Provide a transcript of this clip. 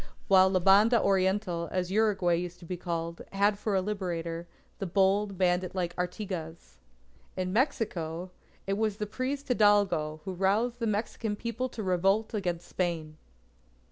While La Banda Oriental, as Uruguay used to be called, had for a Liberator, the bold bandit like Artigas. In Mexico, it was the priest Hidalgo who roused the Mexican People to revolt against Spain.